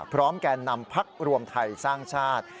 แก่นำพักรวมไทยสร้างชาติ